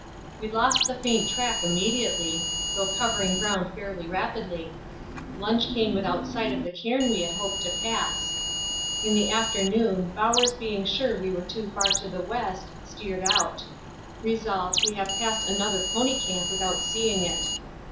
We lost the faint track immediately, though covering ground fairly rapidly. Lunch came without sight of the cairn we had hoped to pass. In the afternoon, Bowers being sure we were too far to the west, steered out. Result, we have passed another pony camp without seeing it.